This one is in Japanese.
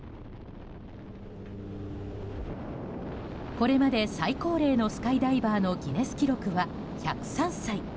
これまで最高齢のスカイダイバーのギネス記録は１０３歳。